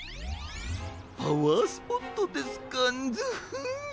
パワースポットですかンヅフッ！